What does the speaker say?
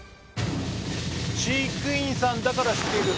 飼育員さんだから知っている！